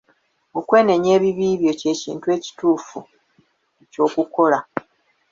Okwenenya ebibi byo ky'ekintu ekituufu eky'okukola.